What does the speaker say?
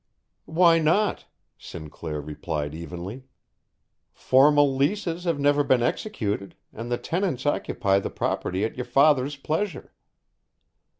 "Why not?" Sinclair replied evenly. "Formal leases have never been executed, and the tenants occupy the property at your father's pleasure."